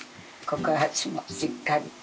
ここ脚もしっかり。